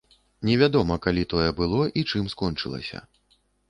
Невядома, калі тое было і чым скончылася.